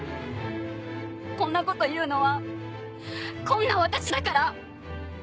こんなこと言うのはこんな私だから。